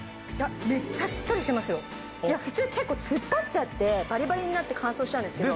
いや普通結構突っ張っちゃってバリバリになって乾燥しちゃうんですけど。